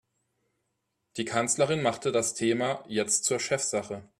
Die Kanzlerin machte das Thema jetzt zur Chefsache.